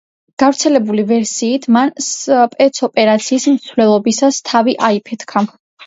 გავრცელებული ვერსიით, მან სპეცოპერაციის მსვლელობისას თავი აიფეთქა.